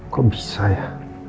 kok bisa ya